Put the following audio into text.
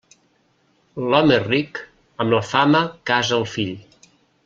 L'home ric, amb la fama casa el fill.